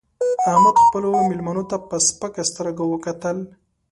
احمد خپلو مېلمنو ته په سپکه سترګه وکتل